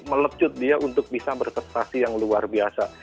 melepcut dia untuk bisa berkesetasi yang luar biasa